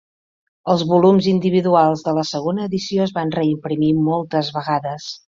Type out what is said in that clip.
Els volums individuals de la segona edició es van reimprimir moltes vegades.